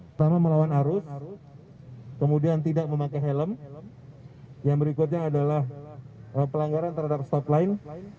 pertama melawan arus kemudian tidak memakai helm yang berikutnya adalah pelanggaran terhadap stop line